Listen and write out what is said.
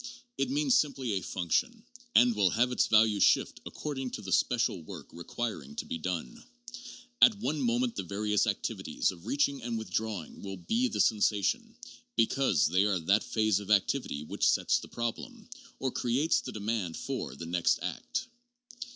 It means simply a function, and will have its value shift according to the special work requiring to be done. At one moment the various activities of reaching and withdrawing will be the sensation, because they are that phase of activity which sets the problem, or creates the demand for, the next act.